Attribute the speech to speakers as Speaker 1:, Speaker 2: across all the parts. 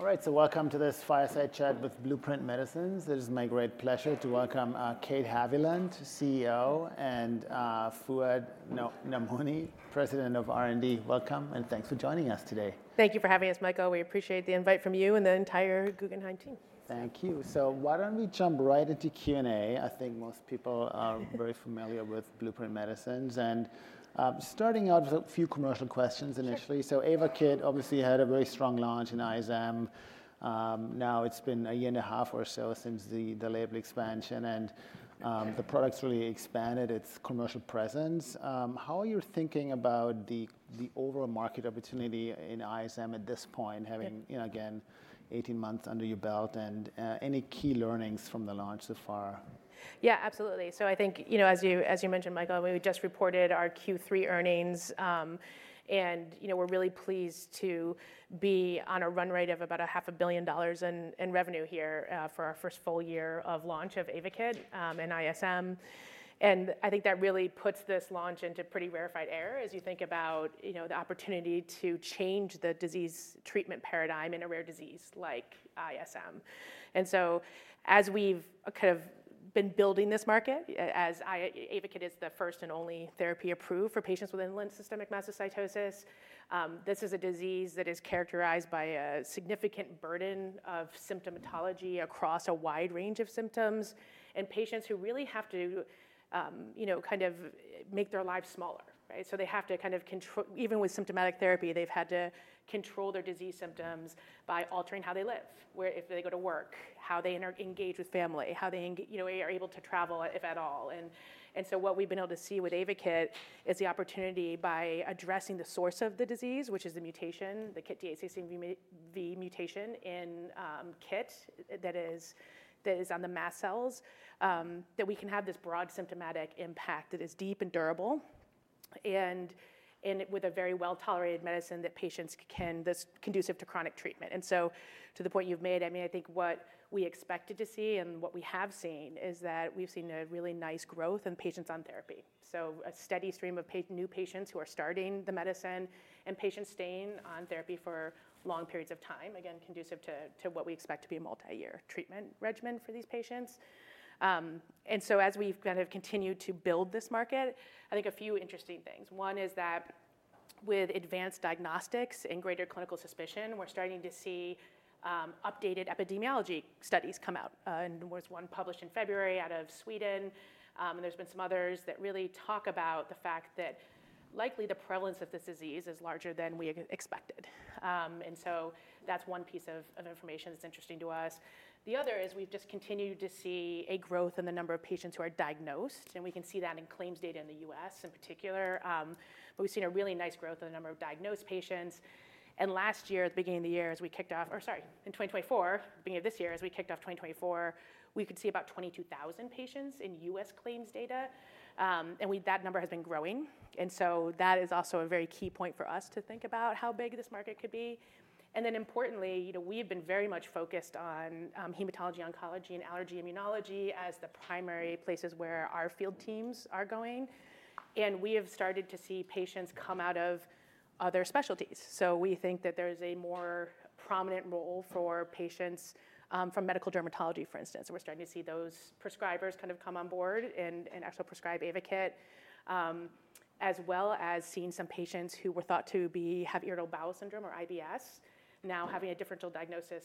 Speaker 1: All right, so welcome to this Fireside Chat with Blueprint Medicines. It is my great pleasure to welcome Kate Haviland, CEO, and Fouad Namouni, President of R&D. Welcome, and thanks for joining us today.
Speaker 2: Thank you for having us, Michael. We appreciate the invite from you and the entire Guggenheim team.
Speaker 1: Thank you. So why don't we jump right into Q&A? I think most people are very familiar with Blueprint Medicines. And starting out with a few commercial questions initially. So AYVAKIT obviously had a very strong launch in ISM. Now it's been a year and a half or so since the label expansion, and the product's really expanded its commercial presence. How are you thinking about the overall market opportunity in ISM at this point, having, again, 18 months under your belt, and any key learnings from the launch so far?
Speaker 2: Yeah, absolutely. So I think, as you mentioned, Michael, we just reported our Q3 earnings, and we're really pleased to be on a run rate of about $0.5 billion in revenue here for our first full year of launch of AYVAKIT and ISM. And I think that really puts this launch into pretty rarified air, as you think about the opportunity to change the disease treatment paradigm in a rare disease like ISM. And so as we've kind of been building this market, as AYVAKIT is the first and only therapy approved for patients with indolent systemic mastocytosis, this is a disease that is characterized by a significant burden of symptomatology across a wide range of symptoms in patients who really have to kind of make their lives smaller. So they have to kind of control, even with symptomatic therapy, they've had to control their disease symptoms by altering how they live, where if they go to work, how they engage with family, how they are able to travel, if at all. And so what we've been able to see with AYVAKIT is the opportunity, by addressing the source of the disease, which is the mutation, the KIT D816V mutation in KIT that is on the mast cells, that we can have this broad symptomatic impact that is deep and durable, and with a very well-tolerated medicine that patients can this conducive to chronic treatment. And so to the point you've made, I mean, I think what we expected to see and what we have seen is that we've seen a really nice growth in patients on therapy. So a steady stream of new patients who are starting the medicine and patients staying on therapy for long periods of time, again, conducive to what we expect to be a multi-year treatment regimen for these patients. And so as we've kind of continued to build this market, I think a few interesting things. One is that with advanced diagnostics and greater clinical suspicion, we're starting to see updated epidemiology studies come out. And there was one published in February out of Sweden, and there's been some others that really talk about the fact that likely the prevalence of this disease is larger than we expected. And so that's one piece of information that's interesting to us. The other is we've just continued to see a growth in the number of patients who are diagnosed, and we can see that in claims data in the U.S. in particular. We've seen a really nice growth in the number of diagnosed patients. Last year, at the beginning of the year, as we kicked off, or sorry, in 2024, beginning of this year, as we kicked off 2024, we could see about 22,000 patients in U.S. claims data. That number has been growing. That is also a very key point for us to think about how big this market could be. Importantly, we have been very much focused on hematology, oncology, and allergy immunology as the primary places where our field teams are going. We have started to see patients come out of other specialties. We think that there is a more prominent role for patients from medical dermatology, for instance. So we're starting to see those prescribers kind of come on board and actually prescribe AYVAKIT, as well as seeing some patients who were thought to have irritable bowel syndrome or IBS now having a differential diagnosis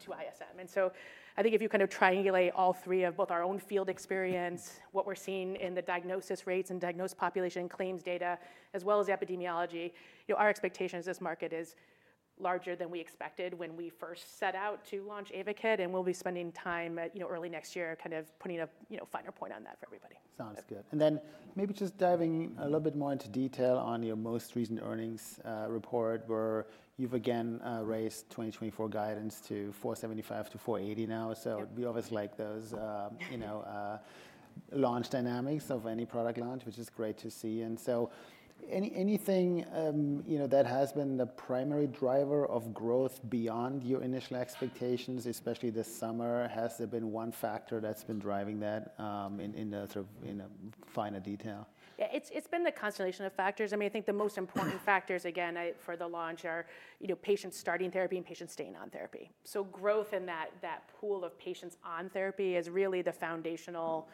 Speaker 2: to ISM, and so I think if you kind of triangulate all three of both our own field experience, what we're seeing in the diagnosis rates and diagnosed population and claims data, as well as epidemiology, our expectations of this market is larger than we expected when we first set out to launch AYVAKIT, and we'll be spending time early next year kind of putting a finer point on that for everybody.
Speaker 1: Sounds good. And then maybe just diving a little bit more into detail on your most recent earnings report, where you've again raised 2024 guidance to $475 million-$480 million now. So we always like those launch dynamics of any product launch, which is great to see. And so anything that has been the primary driver of growth beyond your initial expectations, especially this summer, has there been one factor that's been driving that in sort of finer detail?
Speaker 2: Yeah, it's been the constellation of factors. I mean, I think the most important factors, again, for the launch are patients starting therapy and patients staying on therapy. So growth in that pool of patients on therapy is really the foundational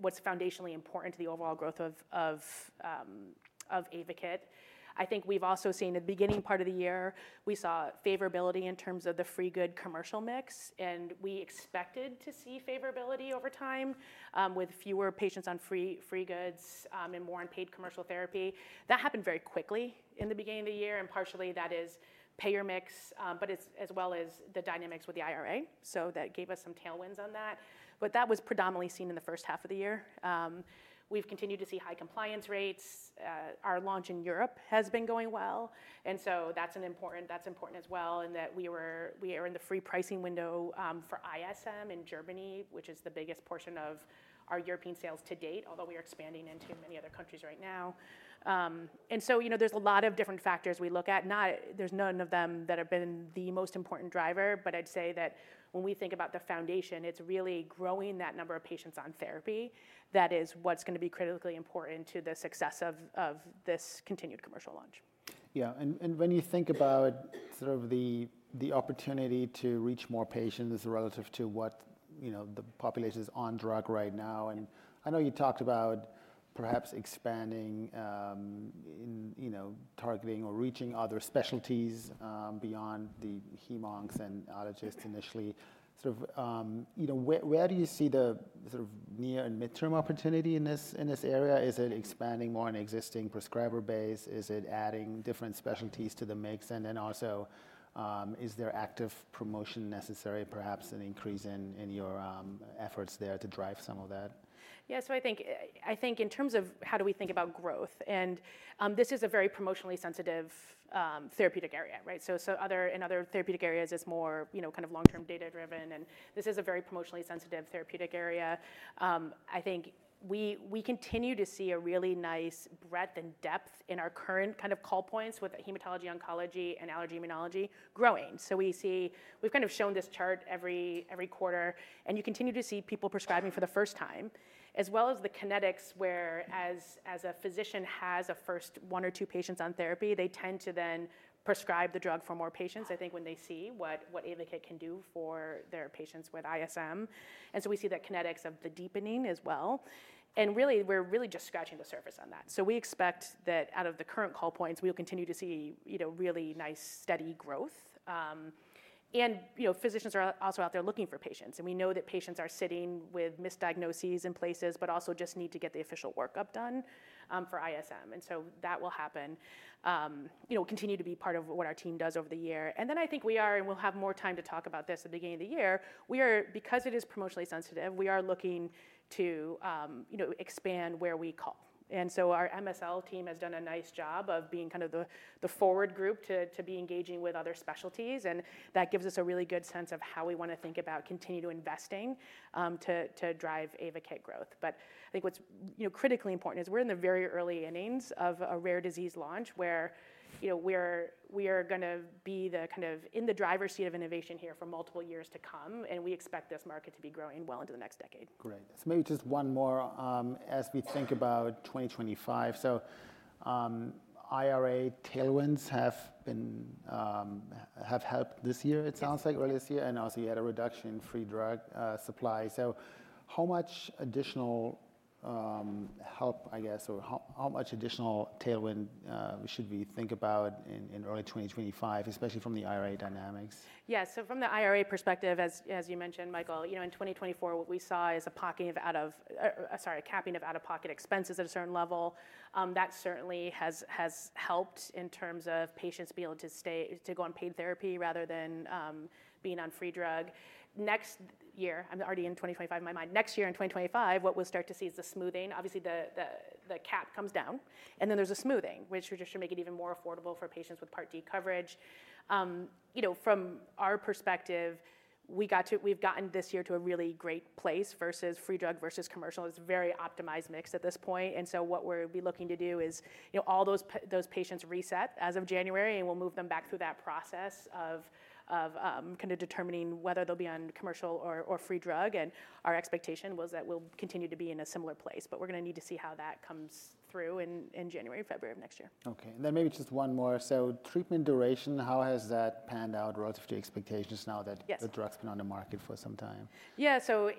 Speaker 2: what's foundationally important to the overall growth of AYVAKIT. I think we've also seen in the beginning part of the year, we saw favorability in terms of the free good commercial mix, and we expected to see favorability over time with fewer patients on free goods and more on paid commercial therapy. That happened very quickly in the beginning of the year, and partially that is payer mix, but as well as the dynamics with the IRA. So that gave us some tailwinds on that. But that was predominantly seen in the first half of the year. We've continued to see high compliance rates. Our launch in Europe has been going well, and so that's important as well, in that we are in the free pricing window for ISM in Germany, which is the biggest portion of our European sales to date, although we are expanding into many other countries right now, and so there's a lot of different factors we look at. There's none of them that have been the most important driver, but I'd say that when we think about the foundation, it's really growing that number of patients on therapy that is what's going to be critically important to the success of this continued commercial launch.
Speaker 1: Yeah. And when you think about sort of the opportunity to reach more patients relative to what the population is on drug right now, and I know you talked about perhaps expanding, targeting, or reaching other specialties beyond the Hem/Onc and allergist initially. Where do you see the sort of near and midterm opportunity in this area? Is it expanding more on existing prescriber base? Is it adding different specialties to the mix? And then also, is there active promotion necessary, perhaps an increase in your efforts there to drive some of that?
Speaker 2: Yeah, so I think in terms of how do we think about growth, and this is a very promotionally sensitive therapeutic area. So in other therapeutic areas, it's more kind of long-term data-driven, and this is a very promotionally sensitive therapeutic area. I think we continue to see a really nice breadth and depth in our current kind of call points with hematology/oncology and allergy/immunology growing. So we've kind of shown this chart every quarter, and you continue to see people prescribing for the first time, as well as the kinetics, where as a physician has a first one or two patients on therapy, they tend to then prescribe the drug for more patients, I think, when they see what AYVAKIT can do for their patients with ISM. And so we see that kinetics of the deepening as well. Really, we're really just scratching the surface on that. We expect that out of the current call points, we'll continue to see really nice, steady growth. Physicians are also out there looking for patients, and we know that patients are sitting with misdiagnoses in places, but also just need to get the official workup done for ISM. That will happen. We'll continue to be part of what our team does over the year. Then I think we are, and we'll have more time to talk about this at the beginning of the year, because it is promotionally sensitive. We are looking to expand where we call. So our MSL team has done a nice job of being kind of the forward group to be engaging with other specialties, and that gives us a really good sense of how we want to think about continuing to investing to drive AYVAKIT growth. I think what's critically important is we're in the very early innings of a rare disease launch where we are going to be kind of in the driver's seat of innovation here for multiple years to come, and we expect this market to be growing well into the next decade.
Speaker 1: Great. So maybe just one more as we think about 2025. So IRA tailwinds have helped this year, it sounds like, or this year, and also you had a reduction in free drug supply. So how much additional help, I guess, or how much additional tailwind should we think about in early 2025, especially from the IRA dynamics?
Speaker 2: Yeah, so from the IRA perspective, as you mentioned, Michael, in 2024, what we saw is a pocket of out of, sorry, a capping of out-of-pocket expenses at a certain level. That certainly has helped in terms of patients being able to go on paid therapy rather than being on free drug. Next year, I'm already in 2025 in my mind. Next year in 2025, what we'll start to see is the smoothing. Obviously, the cap comes down, and then there's a smoothing, which should just make it even more affordable for patients with Part D coverage. From our perspective, we've gotten this year to a really great place versus free drug versus commercial. It's a very optimized mix at this point. So what we'll be looking to do is all those patients reset as of January, and we'll move them back through that process of kind of determining whether they'll be on commercial or free drug. Our expectation was that we'll continue to be in a similar place, but we're going to need to see how that comes through in January, February of next year.
Speaker 1: Okay. And then maybe just one more. So treatment duration, how has that panned out relative to expectations now that the drug's been on the market for some time?
Speaker 2: Yeah, so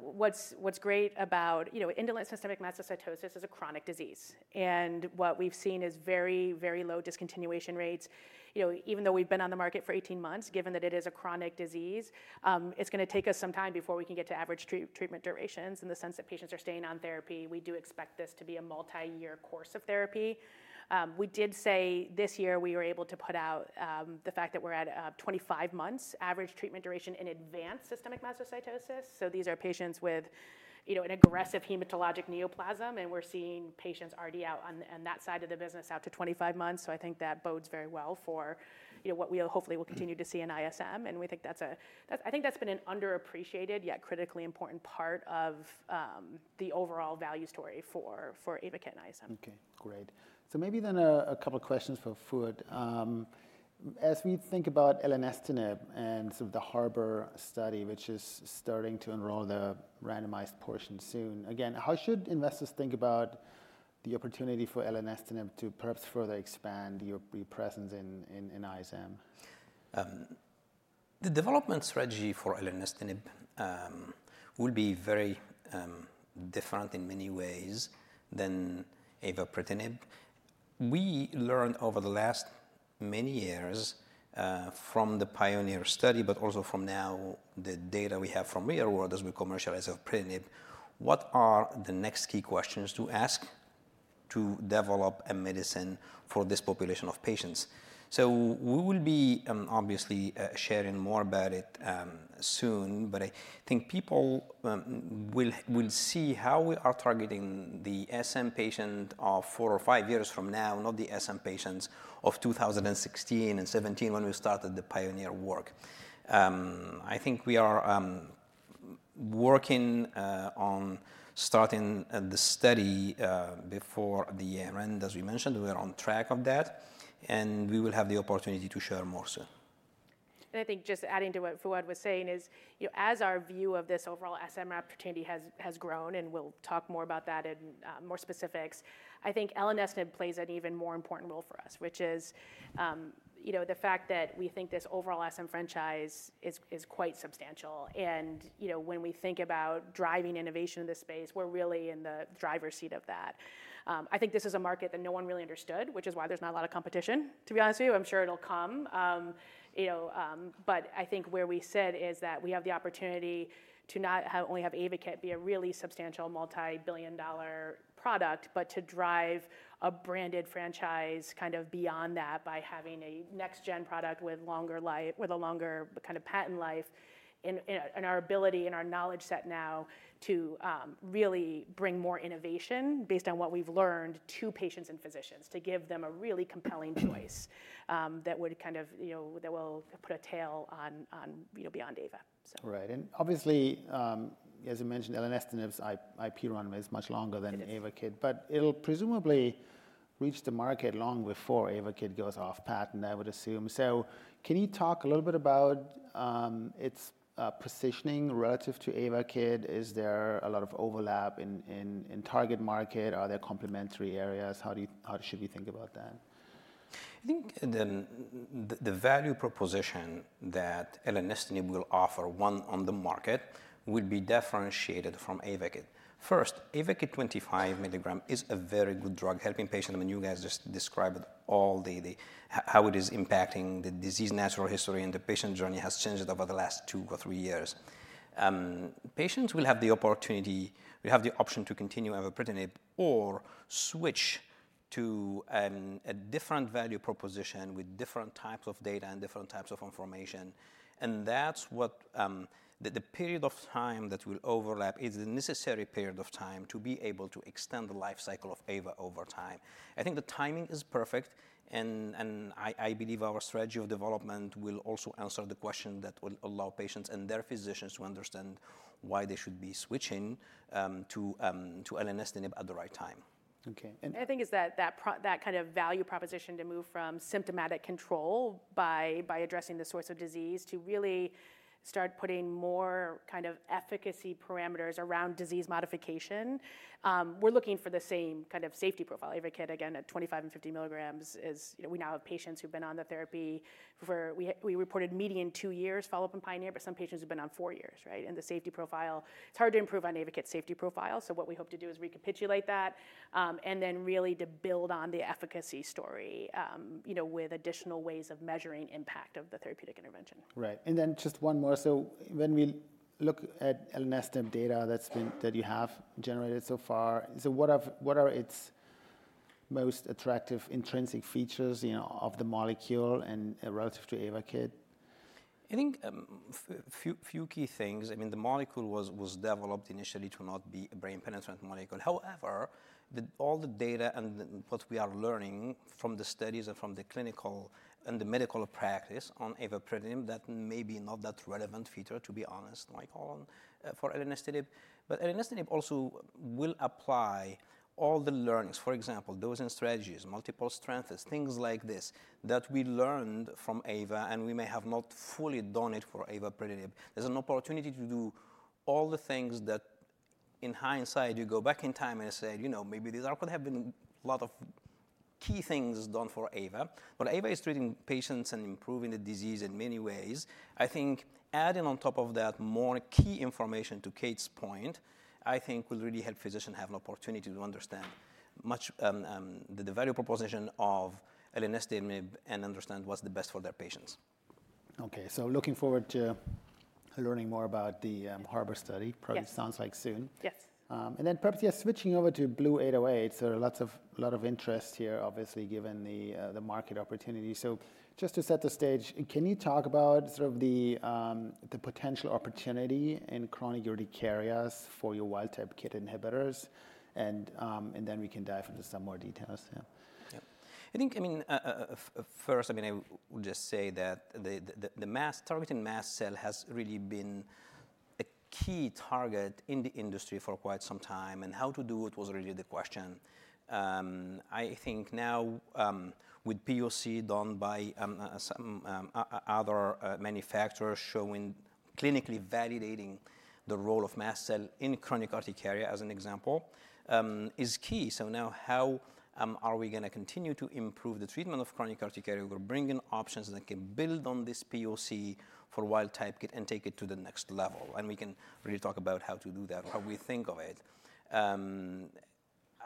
Speaker 2: what's great about indolent systemic mastocytosis is a chronic disease. And what we've seen is very, very low discontinuation rates. Even though we've been on the market for 18 months, given that it is a chronic disease, it's going to take us some time before we can get to average treatment durations in the sense that patients are staying on therapy. We do expect this to be a multi-year course of therapy. We did say this year we were able to put out the fact that we're at 25 months average treatment duration in advanced systemic mastocytosis. So these are patients with an aggressive hematologic neoplasm, and we're seeing patients already out on that side of the business out to 25 months. So I think that bodes very well for what we hopefully will continue to see in ISM. And we think that's, I think that's been an underappreciated yet critically important part of the overall value story for AYVAKIT and ISM.
Speaker 1: Okay, great. So maybe then a couple of questions for Fouad. As we think about elenestinib and sort of the Harbor study, which is starting to enroll the randomized portion soon, again, how should investors think about the opportunity for elenestinib to perhaps further expand your presence in ISM?
Speaker 3: The development strategy for elenestinib will be very different in many ways than avapritinib. We learned over the last many years from the Pioneer study, but also from now the data we have from real-world as we commercialize avapritinib, what are the next key questions to ask to develop a medicine for this population of patients. So we will be obviously sharing more about it soon, but I think people will see how we are targeting the SM patient of four or five years from now, not the SM patients of 2016 and 2017 when we started the Pioneer work. I think we are working on starting the study before the year-end, as we mentioned. We are on track of that, and we will have the opportunity to share more soon.
Speaker 2: I think just adding to what Fouad was saying is, as our view of this overall SM opportunity has grown, and we'll talk more about that in more specifics, I think elenestinib plays an even more important role for us, which is the fact that we think this overall SM franchise is quite substantial. And when we think about driving innovation in this space, we're really in the driver's seat of that. I think this is a market that no one really understood, which is why there's not a lot of competition, to be honest with you. I'm sure it'll come. But I think where we sit is that we have the opportunity to not only have AYVAKIT be a really substantial multi-billion dollar product, but to drive a branded franchise kind of beyond that by having a next-gen product with a longer kind of patent life and our ability and our knowledge set now to really bring more innovation based on what we've learned to patients and physicians to give them a really compelling choice that would kind of that will put a tail on beyond AYVAKIT.
Speaker 1: Right. And obviously, as you mentioned, elenestinib's IP runway is much longer than AYVAKIT, but it'll presumably reach the market long before AYVAKIT goes off patent, I would assume. So can you talk a little bit about its positioning relative to AYVAKIT? Is there a lot of overlap in target market? Are there complementary areas? How should we think about that?
Speaker 3: I think the value proposition that elenestinib will offer, once on the market, would be differentiated from AYVAKIT. First, AYVAKIT 25 milligrams is a very good drug helping patients. I mean, you guys just described it all, how it is impacting the disease natural history and the patient journey has changed over the last two or three years. Patients will have the opportunity, will have the option to continue avapritinib or switch to a different value proposition with different types of data and different types of information. And that's what the period of time that will overlap is the necessary period of time to be able to extend the lifecycle of ava over time. I think the timing is perfect, and I believe our strategy of development will also answer the question that will allow patients and their physicians to understand why they should be switching to elenestinib at the right time.
Speaker 2: And I think that is that kind of value proposition to move from symptomatic control by addressing the source of disease to really start putting more kind of efficacy parameters around disease modification. We're looking for the same kind of safety profile. AYVAKIT, again, at 25 and 50 milligrams, we now have patients who've been on the therapy. We reported median two years follow-up and Pioneer, but some patients have been on four years, right? And the safety profile, it's hard to improve on AYVAKIT's safety profile. So what we hope to do is recapitulate that and then really to build on the efficacy story with additional ways of measuring impact of the therapeutic intervention.
Speaker 1: Right. And then just one more. So when we look at elenestinib data that you have generated so far, so what are its most attractive intrinsic features of the molecule relative to AYVAKIT?
Speaker 3: I think a few key things. I mean, the molecule was developed initially to not be a brain penetrant molecule. However, all the data and what we are learning from the studies and from the clinical and the medical practice on avapritinib, that may be not that relevant feature, to be honest, Michael, for elenestinib. But elenestinib also will apply all the learnings, for example, dosing strategies, multiple strengths, things like this that we learned from ava, and we may have not fully done it for avapritinib. There's an opportunity to do all the things that in hindsight, you go back in time and say, maybe these are could have been a lot of key things done for ava. But Ava is treating patients and improving the disease in many ways. I think adding on top of that more key information to Kate's point, I think will really help physicians have an opportunity to understand much the value proposition of elenestinib and understand what's the best for their patients.
Speaker 1: Okay. So looking forward to learning more about the Harbor study, probably sounds like soon.
Speaker 2: Yes.
Speaker 1: And then perhaps just switching over to BLU-808. So lots of interest here, obviously, given the market opportunity. So just to set the stage, can you talk about sort of the potential opportunity in chronic urticaria for your wild-type KIT inhibitors? And then we can dive into some more details.
Speaker 3: Yeah. I think, I mean, first, I mean, I would just say that the targeted mast cell has really been a key target in the industry for quite some time, and how to do it was really the question. I think now with POC done by other manufacturers showing, clinically validating, the role of mast cell in chronic urticaria as an example is key. So now how are we going to continue to improve the treatment of chronic urticaria? We're bringing options that can build on this POC for wild-type KIT and take it to the next level, and we can really talk about how to do that, how we think of it.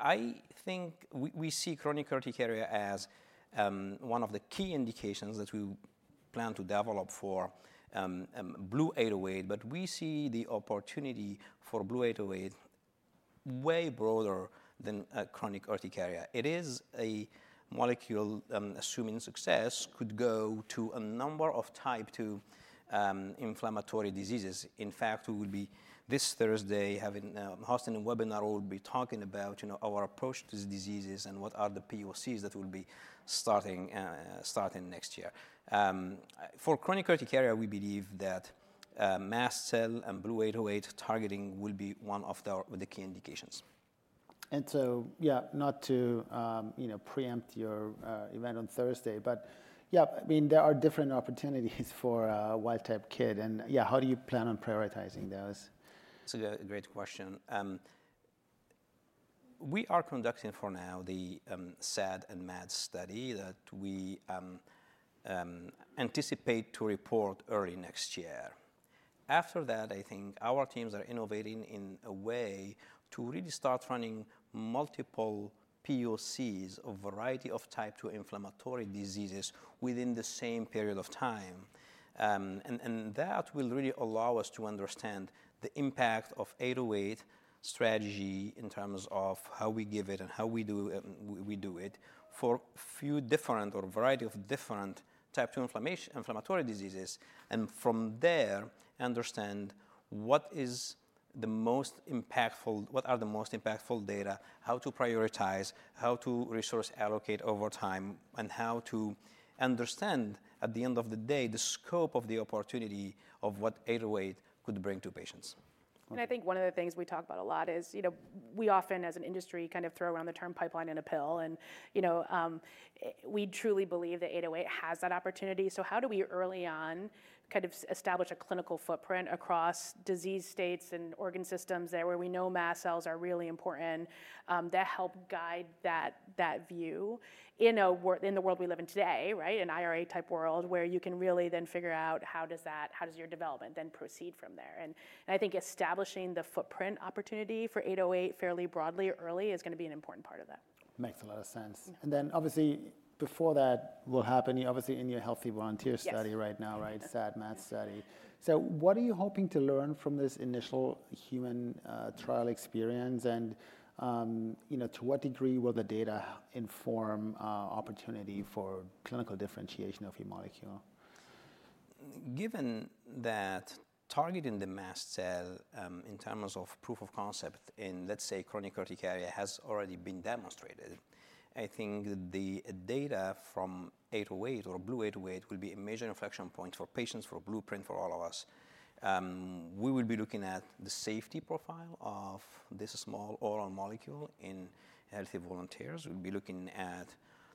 Speaker 3: I think we see chronic urticaria as one of the key indications that we plan to develop for BLU-808, but we see the opportunity for BLU-808 way broader than chronic urticaria. It is a molecule assuming success could go to a number of Type 2 inflammatory diseases. In fact, we will be this Thursday hosting a webinar where we'll be talking about our approach to these diseases and what are the POCs that will be starting next year. For chronic urticaria, we believe that mast cell and BLU-808 targeting will be one of the key indications.
Speaker 1: So, yeah, not to preempt your event on Thursday, but yeah, I mean, there are different opportunities for wild-type KIT. Yeah, how do you plan on prioritizing those?
Speaker 3: That's a great question. We are conducting for now the SAD and MAD study that we anticipate to report early next year. After that, I think our teams are innovating in a way to really start running multiple POCs of a variety of Type 2 inflammatory diseases within the same period of time. And that will really allow us to understand the impact of 808 strategy in terms of how we give it and how we do it for a few different or variety of different Type 2 inflammatory diseases. And from there, understand what is the most impactful, what are the most impactful data, how to prioritize, how to resource allocate over time, and how to understand at the end of the day the scope of the opportunity of what 808 could bring to patients.
Speaker 2: And I think one of the things we talk about a lot is we often, as an industry, kind of throw around the term pipeline in a pill. And we truly believe that 808 has that opportunity. So how do we early on kind of establish a clinical footprint across disease states and organ systems there where we know mast cells are really important that help guide that view in the world we live in today, right? An IRA type world where you can really then figure out how does your development then proceed from there. And I think establishing the footprint opportunity for 808 fairly broadly early is going to be an important part of that.
Speaker 1: Makes a lot of sense. And then obviously before that will happen, you're obviously in your healthy volunteer study right now, right? SAD, MAD study. So what are you hoping to learn from this initial human trial experience? And to what degree will the data inform opportunity for clinical differentiation of your molecule?
Speaker 3: Given that targeting the mast cell in terms of proof of concept in, let's say, chronic urticaria has already been demonstrated, I think the data from 808 or BLU-808 will be a major inflection point for patients, for Blueprint, for all of us. We will be looking at the safety profile of this small oral molecule in healthy volunteers. We'll be looking at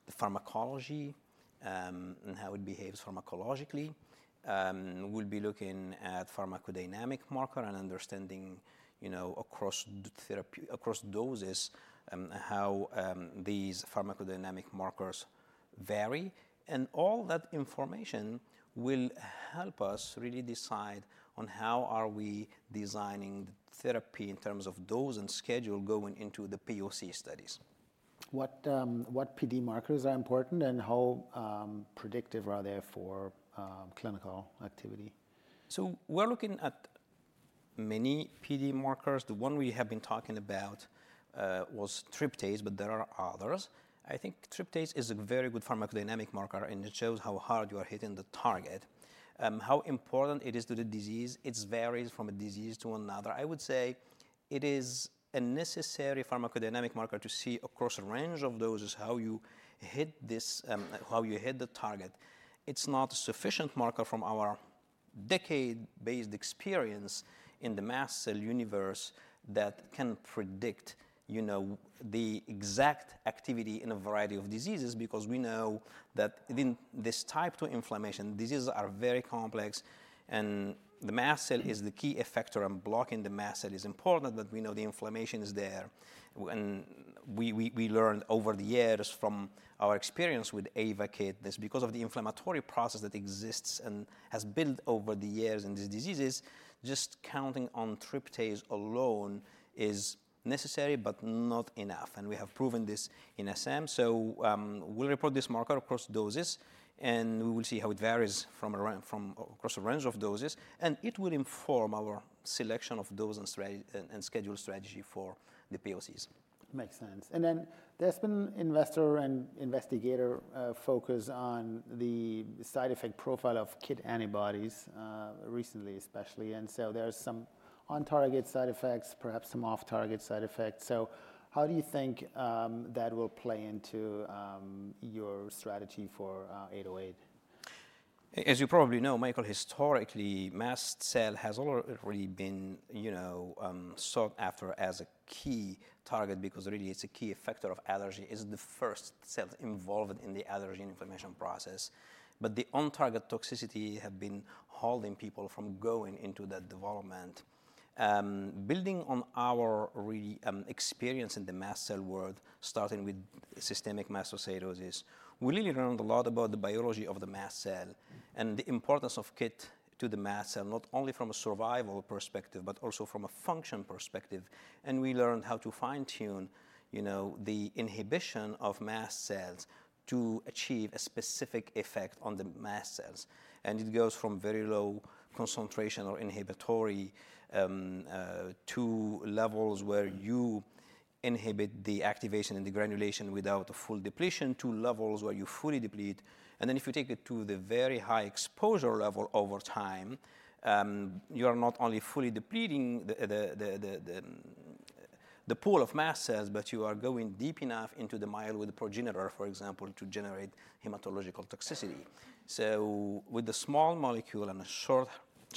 Speaker 3: the pharmacology and how it behaves pharmacologically. We'll be looking at pharmacodynamic marker and understanding across doses how these pharmacodynamic markers vary. And all that information will help us really decide on how are we designing therapy in terms of dose and schedule going into the POC studies.
Speaker 1: What PD markers are important and how predictive are they for clinical activity?
Speaker 3: So we're looking at many PD markers. The one we have been talking about was tryptase, but there are others. I think tryptase is a very good pharmacodynamic marker, and it shows how hard you are hitting the target. How important it is to the disease. It varies from a disease to another. I would say it is a necessary pharmacodynamic marker to see across a range of doses how you hit the target. It's not a sufficient marker from our decade base experience in the mast cell universe that can predict the exact activity in a variety of diseases because we know that in this Type 2 inflammation, diseases are very complex, and the mast cell is the key effector and blocking the mast cell is important, but we know the inflammation is there. We learned over the years from our experience with AYVAKIT. This because of the inflammatory process that exists and has built over the years in these diseases, just counting on tryptase alone is necessary, but not enough. We have proven this in SM. We'll report this marker across doses, and we will see how it varies across a range of doses. It will inform our selection of dose and schedule strategy for the POCs.
Speaker 1: Makes sense. And then there's been investor and investigator focus on the side effect profile of KIT antibodies recently, especially. And so there's some on-target side effects, perhaps some off-target side effects. So how do you think that will play into your strategy for 808?
Speaker 3: As you probably know, Michael, historically, mast cell has already been sought after as a key target because really it's a key effector of allergy. It's the first cell involved in the allergy and inflammation process. But the on-target toxicity has been holding people from going into that development. Building on our real experience in the mast cell world, starting with systemic mast cell diseases, we really learned a lot about the biology of the mast cell and the importance of KIT to the mast cell, not only from a survival perspective, but also from a function perspective. And we learned how to fine-tune the inhibition of mast cells to achieve a specific effect on the mast cells. And it goes from very low concentrations of inhibitor to levels where you inhibit the activation and the degranulation without a full depletion to levels where you fully deplete. And then if you take it to the very high exposure level over time, you are not only fully depleting the pool of mast cells, but you are going deep enough into the myeloid progenitor, for example, to generate hematological toxicity. So with a small molecule and a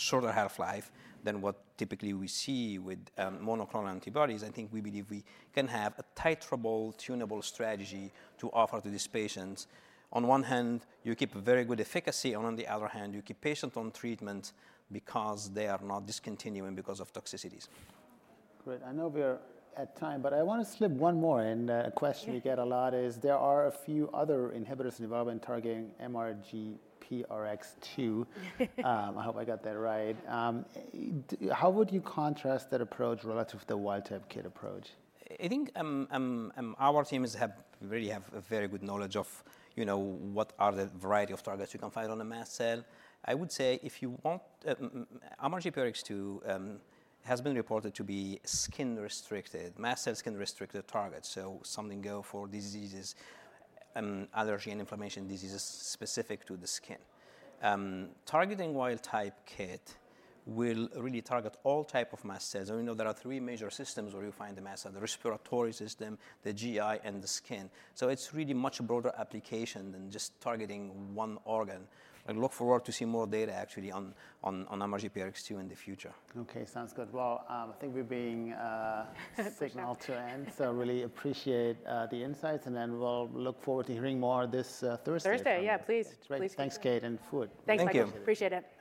Speaker 3: shorter half-life than what typically we see with monoclonal antibodies, I think we believe we can have a titratable, tunable strategy to offer to these patients. On one hand, you keep very good efficacy, and on the other hand, you keep patients on treatment because they are not discontinuing because of toxicities.
Speaker 1: Great. I know we're at time, but I want to slip one more in. A question we get a lot is there are a few other inhibitors in development targeting MRGPRX2. I hope I got that right. How would you contrast that approach relative to the wild-type KIT approach?
Speaker 3: I think our teams really have a very good knowledge of what are the variety of targets you can find on a mast cell. I would say if you want MRGPRX2 has been reported to be skin-restricted, mast cell skin-restricted targets. So something go for diseases, allergy, and inflammation diseases specific to the skin. Targeting wild-type KIT will really target all types of mast cells. And we know there are three major systems where you find the mast cell: the respiratory system, the GI, and the skin. So it's really much broader application than just targeting one organ. I look forward to seeing more data actually on MRGPRX2 in the future.
Speaker 1: Okay. Sounds good. Well, I think we're being signaled to end. So really appreciate the insights. And then we'll look forward to hearing more this Thursday.
Speaker 2: Thursday. Yeah, please.
Speaker 1: Thanks, Kate, and Fouad.
Speaker 2: Thanks, Michael. Appreciate it.